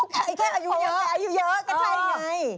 เขาแค่อายุเยอะเพราะว่าแกอายุเยอะก็ใช่ไง